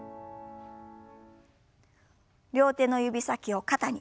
両手の指先を肩に。